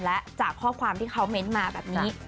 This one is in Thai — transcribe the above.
และจากข้อความที่เขาเม้นต์มาแบบนี้